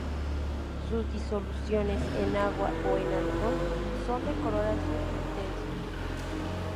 Sus disoluciones en agua o en alcohol son de color azul intenso.